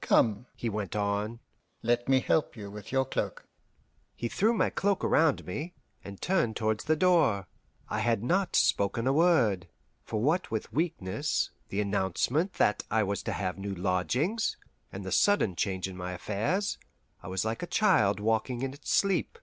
Come," he went on, "let me help you with your cloak." He threw my cloak around me, and turned towards the door. I had not spoken a word, for what with weakness, the announcement that I was to have new lodgings, and the sudden change in my affairs, I was like a child walking in its sleep.